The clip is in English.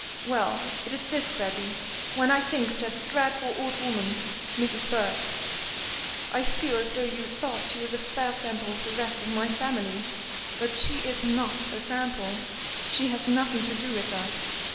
"Well, it is this, Freddy. When I think of that dreadful old woman, Mrs. Burke, I feel as though you thought she was a fair sample of the rest of my family. But she is not a sample, she has nothing to do with us.